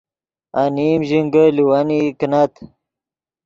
انیم ژینگے لیوینئی کینت